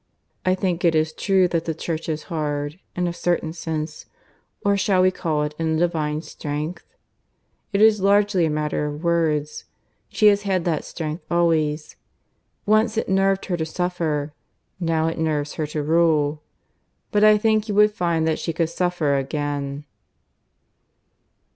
... I think it is true that the Church is hard, in a certain sense; or shall we call it a Divine strength? It is largely a matter of words. She has had that strength always. Once it nerved her to suffer; now it nerves her to rule. But I think you would find that she could suffer again."